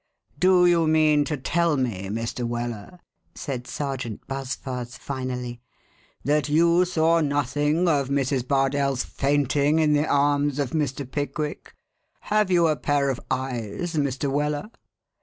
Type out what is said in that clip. "Do you mean to tell me, Mr. Weller," said Sergeant Buzfuz finally, "that you saw nothing of Mrs. Bardell's fainting in the arms of Mr. Pickwick? Have you a pair of eyes, Mr. Weller?"